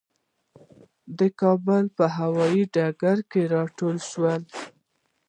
د کابل په هوايي ډګر کې راټول شولو.